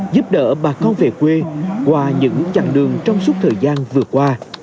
giúp đỡ bà con về quê qua những chặng đường trong suốt thời gian vừa qua